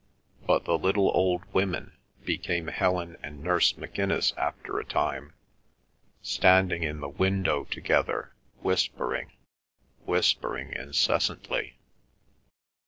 But the little old women became Helen and Nurse McInnis after a time, standing in the window together whispering, whispering incessantly.